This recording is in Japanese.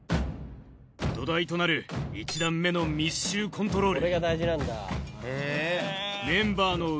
土台となる１段目の密集コントロール。